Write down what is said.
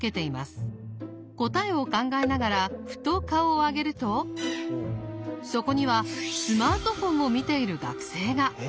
答えを考えながらふと顔を上げるとそこにはスマートフォンを見ている学生が！